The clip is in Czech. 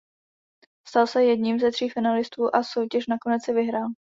Stal se jedním ze tří finalistů a soutěž nakonec i vyhrál.